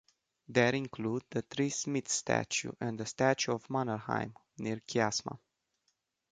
There include the Three Smiths Statue and the Statue of Mannerheim near Kiasma.